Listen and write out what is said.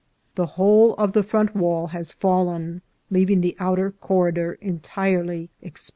The whole of the front wall has fallen, leaving the outer corridor entirely exposed.